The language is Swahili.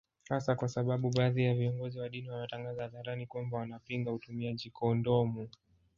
Hasa kwa sababu baadhi ya viongozi wa dini wametangaza hadharani kwamba wanapinga utumiaji kondomu